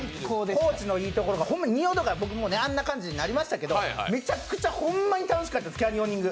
高知のいいところ、仁淀川、僕もあんな感じになりましたけどめちゃくちゃ、ほんまに楽しかったです、キャニオニング。